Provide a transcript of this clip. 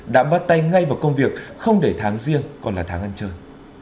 đã bắt tay ngay vào công việc không để tháng riêng còn là tháng ăn chơi